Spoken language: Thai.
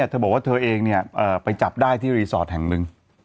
เธอบอกว่าเธอเองไปจับได้ที่รีสอร์ทแห่งหนึ่ง